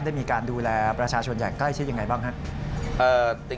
ได้มีการดูแลประชาชนอย่างใกล้ชิดยังไงบ้างครับ